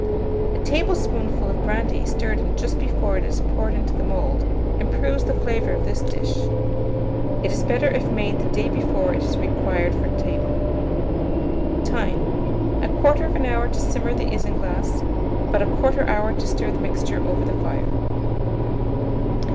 A tablespoonful of brandy stirred in just before it is poured into the mould, improves the flavour of this dish: it is better if made the day before it is required for table. Time. 1/4 hour to simmer the isinglass; about 1/4 hour to stir the mixture over the fire.